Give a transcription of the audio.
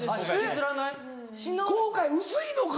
・後悔薄いのか。